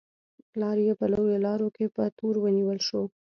پلار یې په لویو لارو کې په تور ونیول شو.